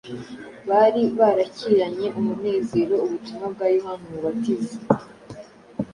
bari barakiranye umunezero ubutumwa bwa Yohana Umubatiza,